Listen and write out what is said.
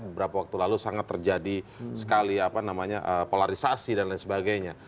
beberapa waktu lalu sangat terjadi sekali polarisasi dan lain sebagainya